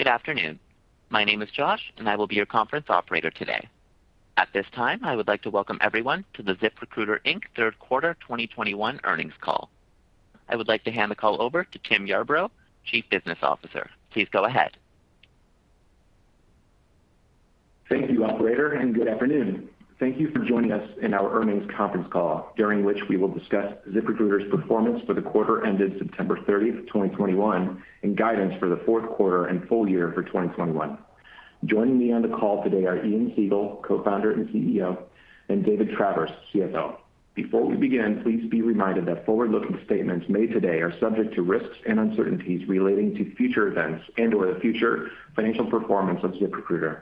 Good afternoon. My name is Josh, and I will be your conference operator today. At this time, I would like to welcome everyone to the ZipRecruiter, Inc. Third Quarter 2021 earnings call. I would like to hand the call over to Tim Yarbrough, Chief Business Officer. Please go ahead. Thank you, operator, and good afternoon. Thank you for joining us in our earnings conference call, during which we will discuss ZipRecruiter's performance for the quarter ended September 30th, 2021, and guidance for the fourth quarter and full year for 2021. Joining me on the call today are Ian Siegel, Co-founder and CEO, and David Travers, CFO. Before we begin, please be reminded that forward-looking statements made today are subject to risks and uncertainties relating to future events and/or the future financial performance of ZipRecruiter.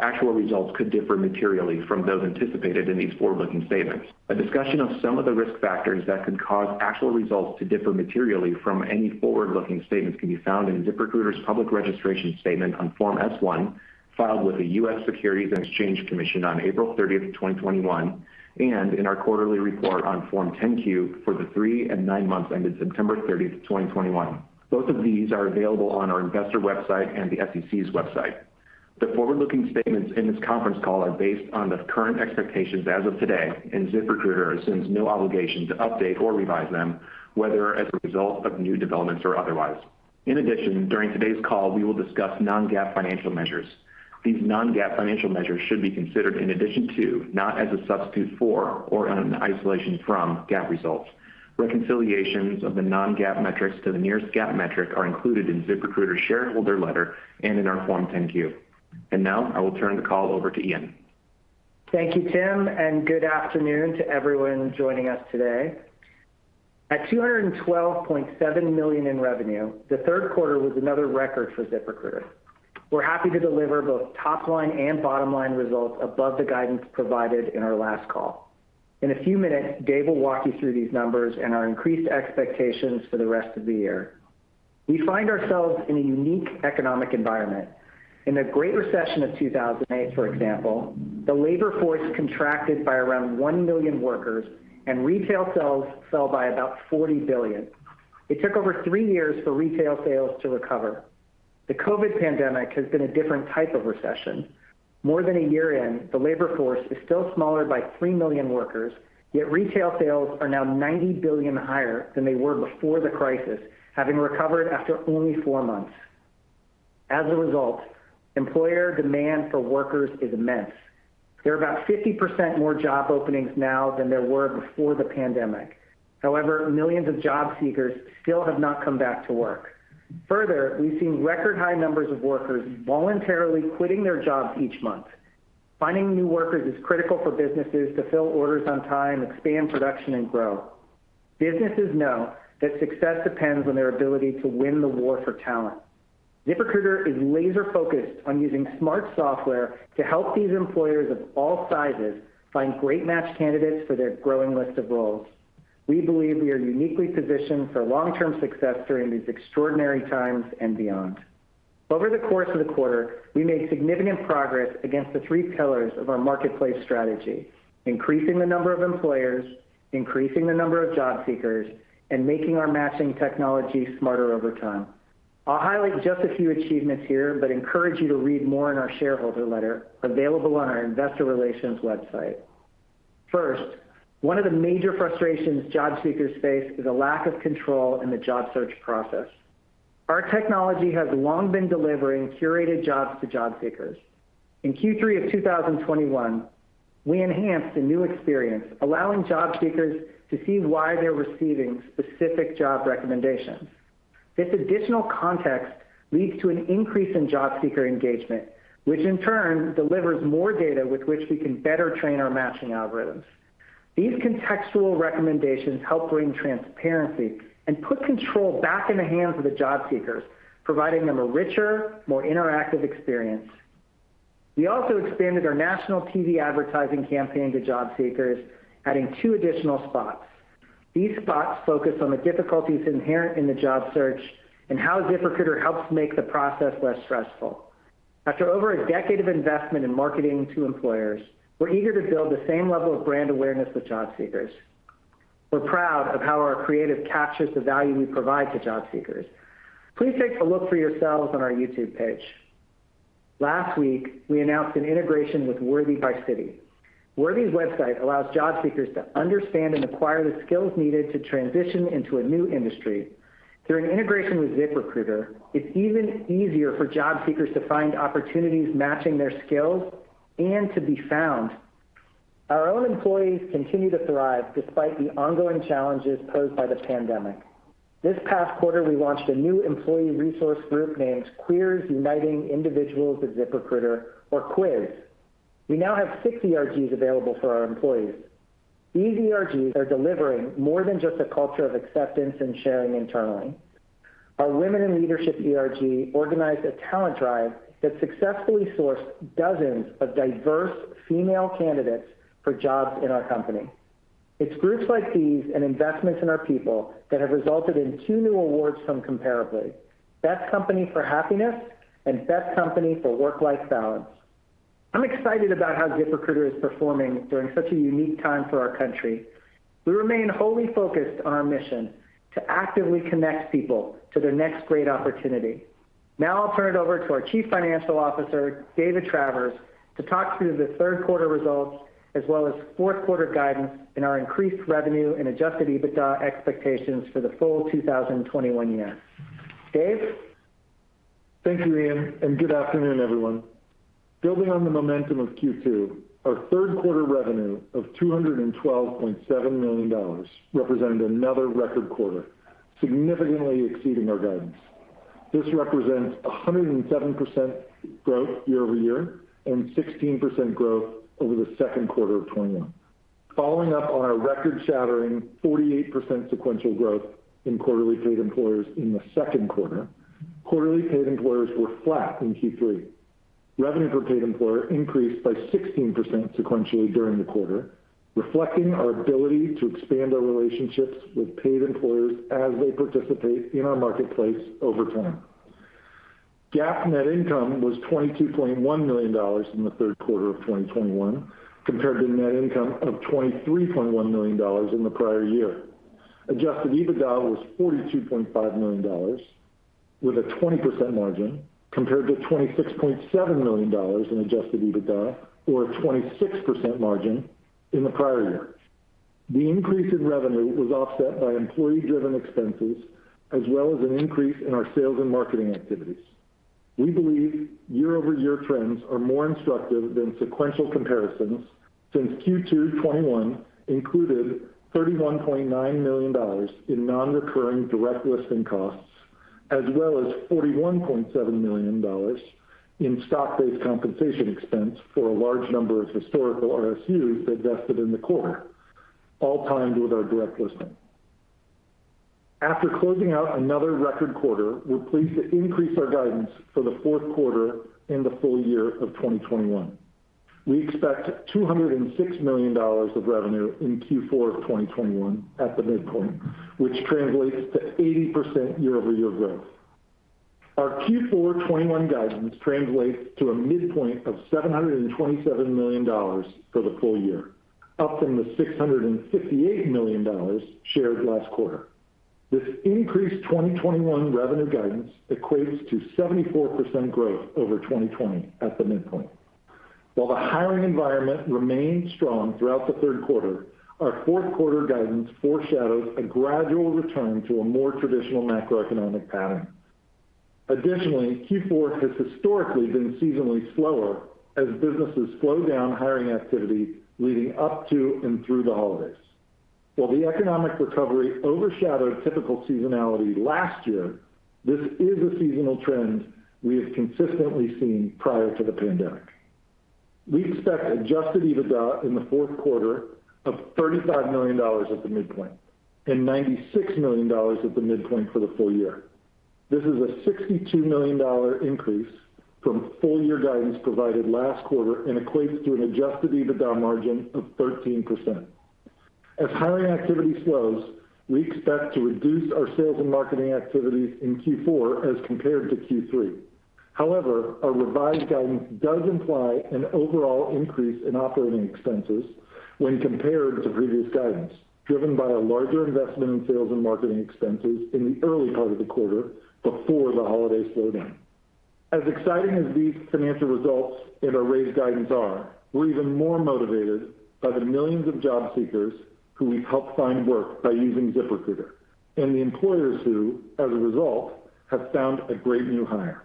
Actual results could differ materially from those anticipated in these forward-looking statements. A discussion of some of the risk factors that could cause actual results to differ materially from any forward-looking statements can be found in ZipRecruiter's public registration statement on Form S-1, filed with the U.S. Securities and Exchange Commission on April 30th, 2021, and in our quarterly report on Form 10-Q for the three and nine months ended September 30th, 2021. Both of these are available on our investor website and the SEC's website. The forward-looking statements in this conference call are based on the current expectations as of today, and ZipRecruiter assumes no obligation to update or revise them, whether as a result of new developments or otherwise. In addition, during today's call, we will discuss non-GAAP financial measures. These non-GAAP financial measures should be considered in addition to, not as a substitute for or an isolation from GAAP results. Reconciliations of the non-GAAP metrics to the nearest GAAP metric are included in ZipRecruiter's shareholder letter and in our Form 10-Q. Now I will turn the call over to Ian. Thank you, Tim, and good afternoon to everyone joining us today. At $212.7 million in revenue, the third quarter was another record for ZipRecruiter. We're happy to deliver both top line and bottom line results above the guidance provided in our last call. In a few minutes, David will walk you through these numbers and our increased expectations for the rest of the year. We find ourselves in a unique economic environment. In the Great Recession of 2008, for example, the labor force contracted by around 1 million workers, and retail sales fell by about $40 billion. It took over three years for retail sales to recover. The COVID pandemic has been a different type of recession. More than a year in, the labor force is still smaller by 3 million workers, yet retail sales are now $90 billion higher than they were before the crisis, having recovered after only 4 months. As a result, employer demand for workers is immense. There are about 50% more job openings now than there were before the pandemic. However, millions of job seekers still have not come back to work. Further, we've seen record high numbers of workers voluntarily quitting their jobs each month. Finding new workers is critical for businesses to fill orders on time, expand production, and grow. Businesses know that success depends on their ability to win the war for talent. ZipRecruiter is laser-focused on using smart software to help these employers of all sizes find great match candidates for their growing list of roles. We believe we are uniquely positioned for long-term success during these extraordinary times and beyond. Over the course of the quarter, we made significant progress against the three pillars of our marketplace strategy, increasing the number of employers, increasing the number of job seekers, and making our matching technology smarter over time. I'll highlight just a few achievements here, but encourage you to read more in our shareholder letter available on our investor relations website. First, one of the major frustrations job seekers face is a lack of control in the job search process. Our technology has long been delivering curated jobs to job seekers. In Q3 of 2021, we enhanced a new experience, allowing job seekers to see why they're receiving specific job recommendations. This additional context leads to an increase in job seeker engagement, which in turn delivers more data with which we can better train our matching algorithms. These contextual recommendations help bring transparency and put control back in the hands of the job seekers, providing them a richer, more interactive experience. We also expanded our national TV advertising campaign to job seekers, adding two additional spots. These spots focus on the difficulties inherent in the job search and how ZipRecruiter helps make the process less stressful. After over a decade of investment in marketing to employers, we're eager to build the same level of brand awareness with job seekers. We're proud of how our creative captures the value we provide to job seekers. Please take a look for yourselves on our YouTube page. Last week, we announced an integration with Worthi by Citi. Worthi's website allows job seekers to understand and acquire the skills needed to transition into a new industry. Through an integration with ZipRecruiter, it's even easier for job seekers to find opportunities matching their skills and to be found. Our own employees continue to thrive despite the ongoing challenges posed by the pandemic. This past quarter, we launched a new employee resource group named Queers Uniting Individuals of ZipRecruiter, or QUIZ. We now have six ERGs available for our employees. These ERGs are delivering more than just a culture of acceptance and sharing internally. Our Women in Leadership ERG organized a talent drive that successfully sourced dozens of diverse female candidates for jobs in our company. It's groups like these and investments in our people that have resulted in two new awards from Comparably: Best Company for Happiness and Best Company for Work-Life Balance. I'm excited about how ZipRecruiter is performing during such a unique time for our country. We remain wholly focused on our mission to actively connect people to their next great opportunity. Now I'll turn it over to our Chief Financial Officer, David Travers, to talk through the third quarter results as well as fourth quarter guidance and our increased revenue and Adjusted EBITDA expectations for the full 2021 year. David? Thank you, Ian, and good afternoon, everyone. Building on the momentum of Q2, our third quarter revenue of $212.7 million represented another record quarter, significantly exceeding our guidance. This represents 107% growth year-over-year and 16% growth over the second quarter of 2021. Following up on our record-shattering 48% sequential growth in quarterly paid employers in the second quarter, quarterly paid employers were flat in Q3. Revenue per paid employer increased by 16% sequentially during the quarter, reflecting our ability to expand our relationships with paid employers as they participate in our marketplace over time. GAAP net income was $22.1 million in the third quarter of 2021, compared to net income of $23.1 million in the prior year. Adjusted EBITDA was $42.5 million with a 20% margin, compared to $26.7 million in adjusted EBITDA or a 26% margin in the prior year. The increase in revenue was offset by employee-driven expenses as well as an increase in our sales and marketing activities. We believe year-over-year trends are more instructive than sequential comparisons since Q2 2021 included $31.9 million in non-recurring direct listing costs, as well as $41.7 million in stock-based compensation expense for a large number of historical RSUs that vested in the quarter, all timed with our direct listing. After closing out another record quarter, we're pleased to increase our guidance for the fourth quarter and the full year of 2021. We expect $206 million of revenue in Q4 of 2021 at the midpoint, which translates to 80% year-over-year growth. Our Q4 2021 guidance translates to a midpoint of $727 million for the full year, up from the $658 million shared last quarter. This increased 2021 revenue guidance equates to 74% growth over 2020 at the midpoint. While the hiring environment remained strong throughout the third quarter, our fourth quarter guidance foreshadows a gradual return to a more traditional macroeconomic pattern. Additionally, Q4 has historically been seasonally slower as businesses slow down hiring activity leading up to and through the holidays. While the economic recovery overshadowed typical seasonality last year, this is a seasonal trend we have consistently seen prior to the pandemic. We expect Adjusted EBITDA in the fourth quarter of $35 million at the midpoint and $96 million at the midpoint for the full year. This is a $62 million increase from full year guidance provided last quarter and equates to an Adjusted EBITDA margin of 13%. As hiring activity slows, we expect to reduce our sales and marketing activities in Q4 as compared to Q3. However, our revised guidance does imply an overall increase in operating expenses when compared to previous guidance, driven by a larger investment in sales and marketing expenses in the early part of the quarter before the holiday slowdown. As exciting as these financial results and our raised guidance are, we're even more motivated by the millions of job seekers who we've helped find work by using ZipRecruiter and the employers who, as a result, have found a great new hire.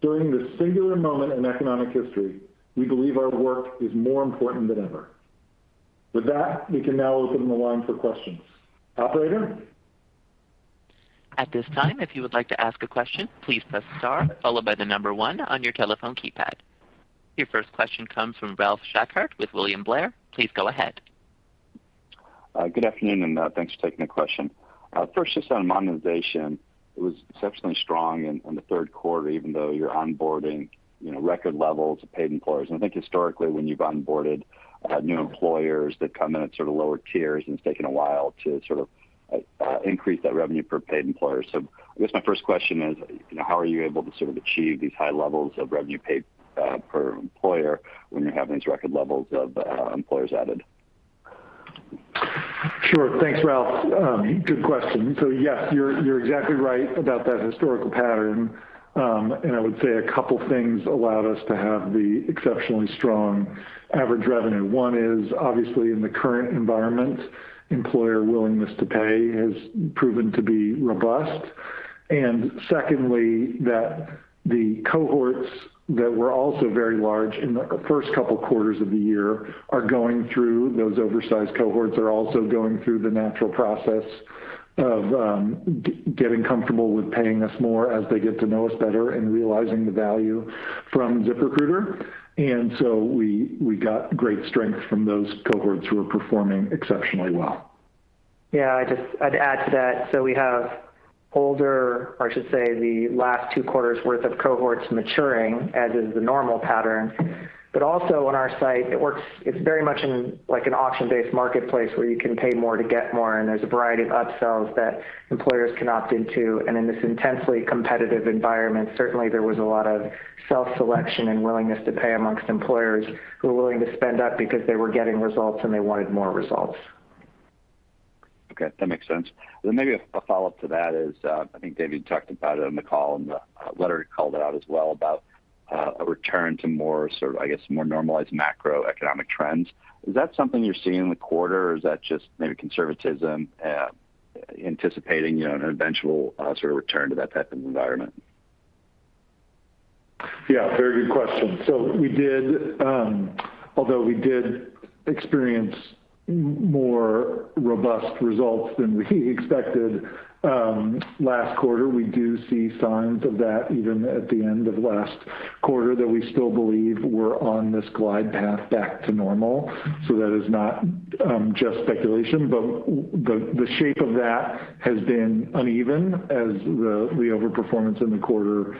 During this singular moment in economic history, we believe our work is more important than ever. With that, we can now open the line for questions. Operator? At this time, if you would like to ask a question, please press star followed by the number one on your telephone keypad. Your first question comes from Ralph Schackart with William Blair. Please go ahead. Good afternoon, and thanks for taking the question. First, just on monetization, it was exceptionally strong in the third quarter, even though you're onboarding, you know, record levels of paid employers. I think historically when you've onboarded new employers that come in at sort of lower tiers, and it's taken a while to sort of increase that revenue per paid employer. I guess my first question is, you know, how are you able to sort of achieve these high levels of revenue paid per employer when you have these record levels of employers added? Sure. Thanks, Ralph. Good question. Yes, you're exactly right about that historical pattern. I would say a couple things allowed us to have the exceptionally strong average revenue. One is, obviously, in the current environment, employer willingness to pay has proven to be robust. Secondly, that the cohorts that were also very large in the first couple quarters of the year. Those oversized cohorts are also going through the natural process of getting comfortable with paying us more as they get to know us better and realizing the value from ZipRecruiter. We got great strength from those cohorts who are performing exceptionally well. I'd add to that. We have older, or I should say the last two quarters worth of cohorts maturing, as is the normal pattern. Also on our site, it's very much like an auction-based marketplace where you can pay more to get more, and there's a variety of upsells that employers can opt into. In this intensely competitive environment, certainly there was a lot of self-selection and willingness to pay among employers who are willing to spend up because they were getting results and they wanted more results. Okay, that makes sense. Maybe a follow-up to that is, I think David talked about it on the call and the letter called it out as well about a return to more sort of, I guess, more normalized macroeconomic trends. Is that something you're seeing in the quarter or is that just maybe conservatism, anticipating, you know, an eventual, sort of return to that type of environment? Yeah, very good question. So we did, although we did experience more robust results than we expected last quarter, we do see signs of that even at the end of last quarter that we still believe we're on this glide path back to normal. So that is not just speculation, but the shape of that has been uneven as the overperformance in the quarter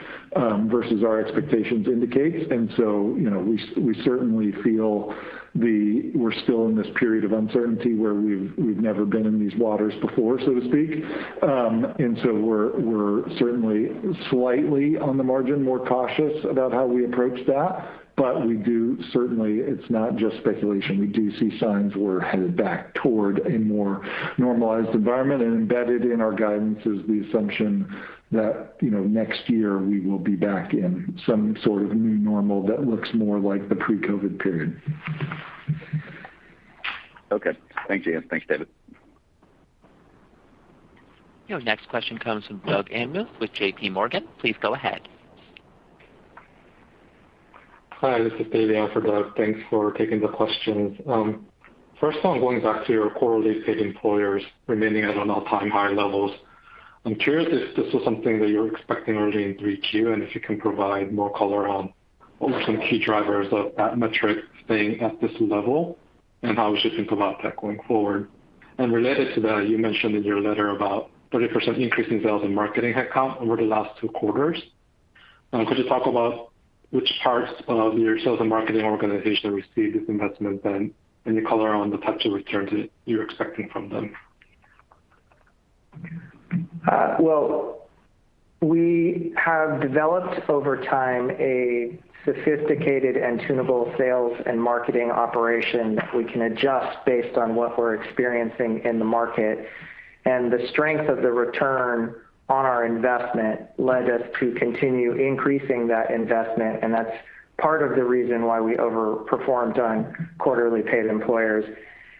versus our expectations indicates. You know, we certainly feel we're still in this period of uncertainty where we've never been in these waters before, so to speak. We're certainly slightly on the margin more cautious about how we approach that. We do certainly, it's not just speculation. We do see signs we're headed back toward a more normalized environment, and embedded in our guidance is the assumption that, you know, next year we will be back in some sort of new normal that looks more like the pre-COVID period. Okay. Thanks, Ian. Thanks, David. Your next question comes from Doug Anmuth with JPMorgan. Please go ahead. Hi, this is Doug Anmuth. Thanks for taking the questions. First of all, going back to your quarterly paid employers remaining at an all-time high levels, I'm curious if this was something that you were expecting early in Q3, and if you can provide more color on what were some key drivers of that metric staying at this level and how we should think about that going forward. Related to that, you mentioned in your letter about 30% increase in sales and marketing headcount over the last two quarters. Could you talk about which parts of your sales and marketing organization received this investment then, any color on the types of returns that you're expecting from them? Well, we have developed over time a sophisticated and tunable sales and marketing operation that we can adjust based on what we're experiencing in the market. The strength of the return on our investment led us to continue increasing that investment, and that's part of the reason why we overperformed on quarterly paid employers.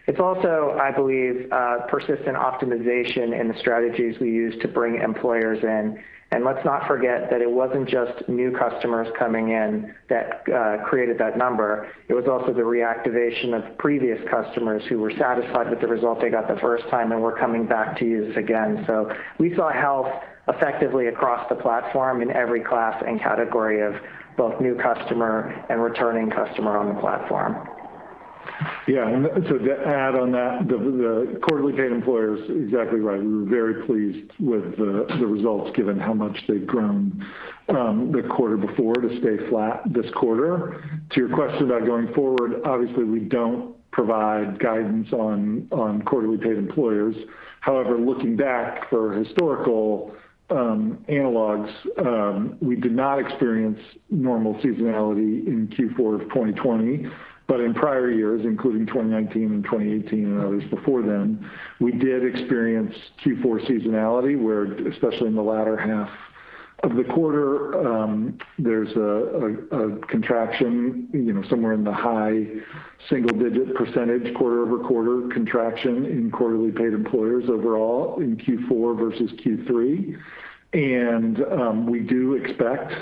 It's also, I believe, persistent optimization in the strategies we use to bring employers in. Let's not forget that it wasn't just new customers coming in that created that number. It was also the reactivation of previous customers who were satisfied with the result they got the first time and were coming back to use again. We saw health effectively across the platform in every class and category of both new customer and returning customer on the platform. Yeah. To add on that, the quarterly paid employers, exactly right. We were very pleased with the results given how much they'd grown the quarter before to stay flat this quarter. To your question about going forward, obviously, we don't provide guidance on quarterly paid employers. However, looking back for historical analogs, we did not experience normal seasonality in Q4 of 2020, but in prior years, including 2019 and 2018 and others before then, we did experience Q4 seasonality, where especially in the latter half of the quarter, there's a contraction, you know, somewhere in the high single-digit percentage quarter-over-quarter contraction in quarterly paid employers overall in Q4 versus Q3. We do expect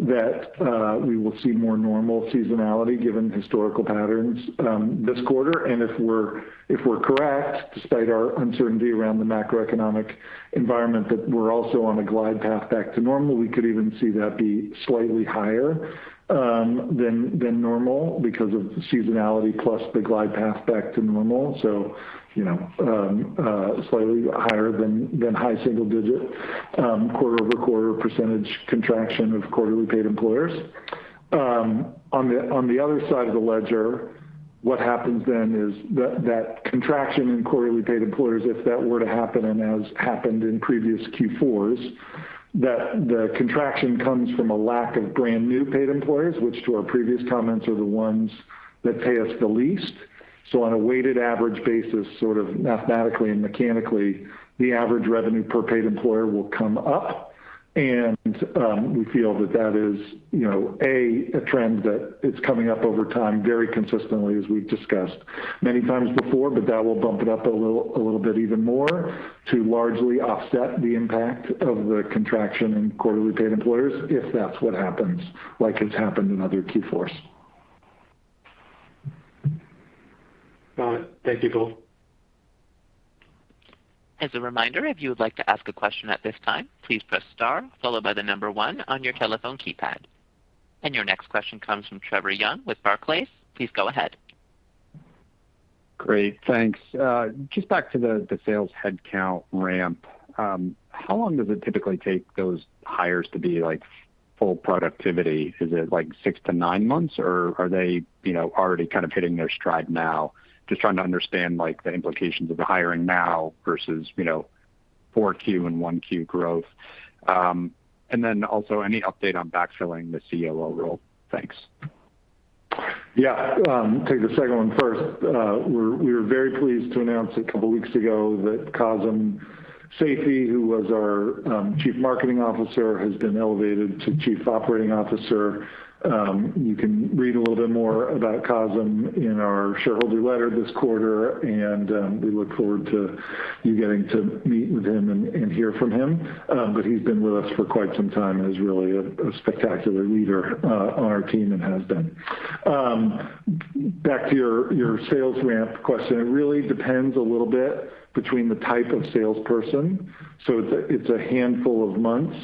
that we will see more normal seasonality given historical patterns this quarter. If we're correct, despite our uncertainty around the macroeconomic environment, that we're also on a glide path back to normal, we could even see that be slightly higher than normal because of seasonality plus the glide path back to normal. You know, slightly higher than high single digit, quarter-over-quarter percentage contraction of quarterly paid employers. On the other side of the ledger, what happens then is that contraction in quarterly paid employers, if that were to happen and as happened in previous Q4s, the contraction comes from a lack of brand new paid employers, which to our previous comments, are the ones that pay us the least. So on a weighted average basis, sort of mathematically and mechanically, the average revenue per paid employer will come up. We feel that is, you know, a trend that it's coming up over time very consistently as we've discussed many times before, but that will bump it up a little bit even more to largely offset the impact of the contraction in quarterly paid employers, if that's what happens like it's happened in other Q4s. All right. Thank you both. As a reminder, if you would like to ask a question at this time, please press star followed by the number one on your telephone keypad. Your next question comes from Trevor Young with Barclays. Please go ahead. Great. Thanks. Just back to the sales headcount ramp. How long does it typically take those hires to be like full productivity? Is it like 6-9 months, or are they, you know, already kind of hitting their stride now? Just trying to understand like the implications of the hiring now versus, you know, 4Q and 1Q growth. Then also any update on backfilling the COO role. Thanks. Yeah. Take the second one first. We were very pleased to announce a couple weeks ago that Qasim Saifee, who was our Chief Marketing Officer, has been elevated to Chief Operating Officer. You can read a little bit more about Qasim in our shareholder letter this quarter, and we look forward to you getting to meet with him and hear from him. But he's been with us for quite some time and is really a spectacular leader on our team and has been. Back to your sales ramp question. It really depends a little bit between the type of salesperson. It's a handful of months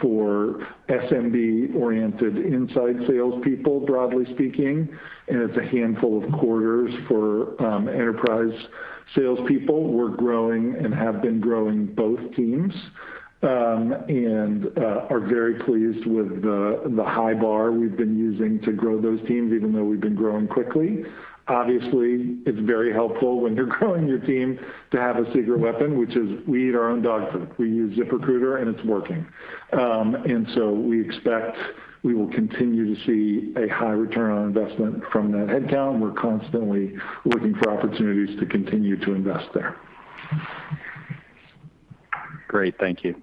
for SMB-oriented inside salespeople, broadly speaking, and it's a handful of quarters for enterprise salespeople. We're growing and have been growing both teams, and are very pleased with the high bar we've been using to grow those teams, even though we've been growing quickly. Obviously, it's very helpful when you're growing your team to have a secret weapon, which is we eat our own dog food. We use ZipRecruiter, and it's working. We expect we will continue to see a high return on investment from that headcount. We're constantly looking for opportunities to continue to invest there. Great. Thank you.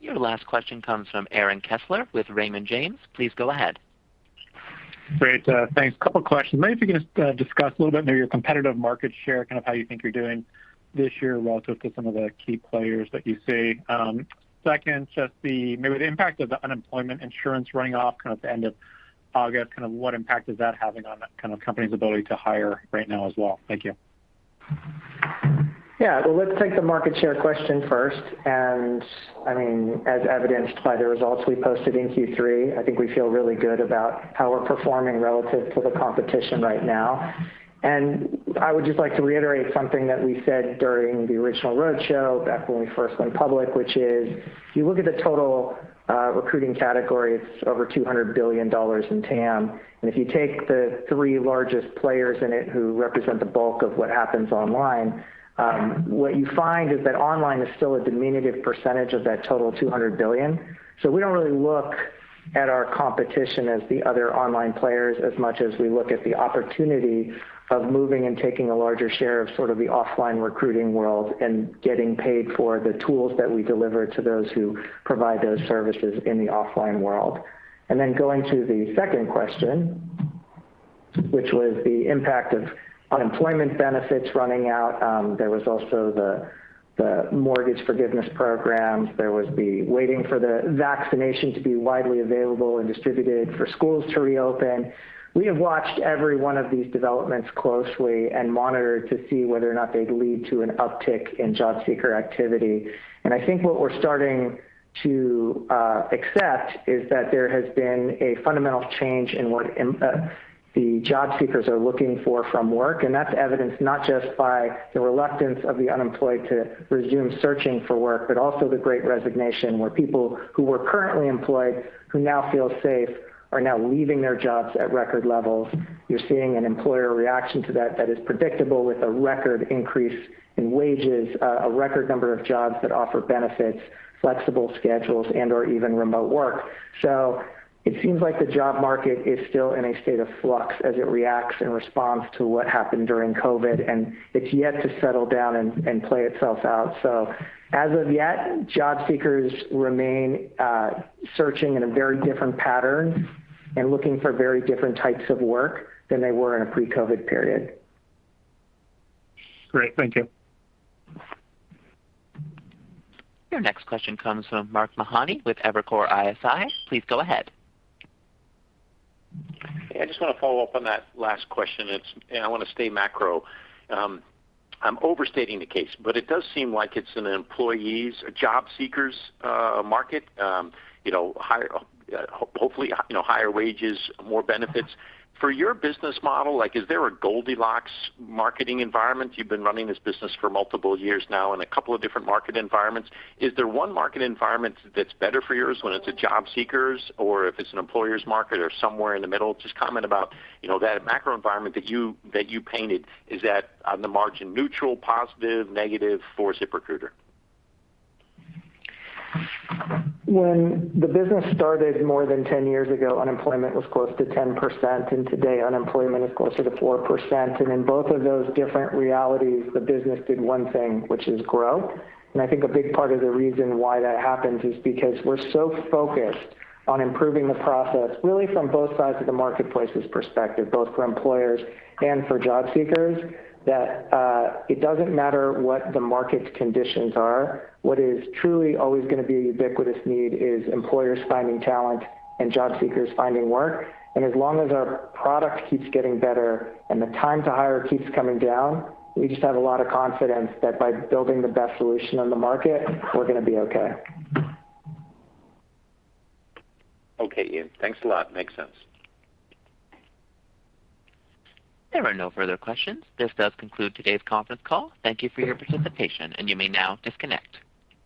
Your last question comes from Aaron Kessler with Raymond James. Please go ahead. Great. Thanks. A couple questions. Maybe if you can, discuss a little bit maybe your competitive market share, kind of how you think you're doing this year relative to some of the key players that you see. Second, just maybe the impact of the unemployment insurance running off kind of at the end of August, kind of what impact is that having on the kind of company's ability to hire right now as well? Thank you. Yeah. Well, let's take the market share question first. I mean, as evidenced by the results we posted in Q3, I think we feel really good about how we're performing relative to the competition right now. I would just like to reiterate something that we said during the original roadshow back when we first went public, which is if you look at the total recruiting category, it's over $200 billion in TAM. If you take the three largest players in it who represent the bulk of what happens online, what you find is that online is still a diminutive percentage of that total $200 billion. We don't really look at our competition as the other online players as much as we look at the opportunity of moving and taking a larger share of sort of the offline recruiting world and getting paid for the tools that we deliver to those who provide those services in the offline world. Then going to the second question, which was the impact of unemployment benefits running out, there was also the mortgage forgiveness programs. There was the waiting for the vaccination to be widely available and distributed for schools to reopen. We have watched every one of these developments closely and monitored to see whether or not they'd lead to an uptick in job seeker activity. I think what we're starting to accept is that there has been a fundamental change in what the job seekers are looking for from work, and that's evidenced not just by the reluctance of the unemployed to resume searching for work, but also the Great Resignation, where people who were currently employed, who now feel safe, are now leaving their jobs at record levels. You're seeing an employer reaction to that that is predictable with a record increase in wages, a record number of jobs that offer benefits, flexible schedules, and/or even remote work. It seems like the job market is still in a state of flux as it reacts in response to what happened during COVID, and it's yet to settle down and play itself out. As of yet, job seekers remain searching in a very different pattern and looking for very different types of work than they were in a pre-COVID period. Great. Thank you. Your next question comes from Mark Mahaney with Evercore ISI. Please go ahead. I just want to follow up on that last question. I want to stay macro. I'm overstating the case, but it does seem like it's an employee's market, a job seeker's market. You know, hopefully, you know, higher wages, more benefits. For your business model, like, is there a Goldilocks marketing environment? You've been running this business for multiple years now in a couple of different market environments. Is there one market environment that's better for yours when it's a job seeker's or if it's an employer's market or somewhere in the middle? Just comment about, you know, that macro environment that you painted, is that on the margin neutral, positive, negative for ZipRecruiter? When the business started more than 10 years ago, unemployment was close to 10%, and today unemployment is closer to 4%. In both of those different realities, the business did one thing, which is grow. I think a big part of the reason why that happens is because we're so focused on improving the process, really from both sides of the marketplace's perspective, both for employers and for job seekers, that, it doesn't matter what the market conditions are. What is truly always gonna be a ubiquitous need is employers finding talent and job seekers finding work. As long as our product keeps getting better and the time to hire keeps coming down, we just have a lot of confidence that by building the best solution on the market, we're gonna be okay. Okay, Ian. Thanks a lot. Makes sense. There are no further questions. This does conclude today's conference call. Thank you for your participation, and you may now disconnect.